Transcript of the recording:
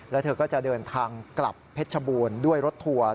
แล้วเธอก็จะเดินทางกลับเพชรบูรณ์ด้วยรถทัวร์